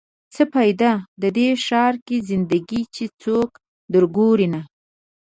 څه فایده؟ دې ښار کې زنده ګي چې څوک در ګوري نه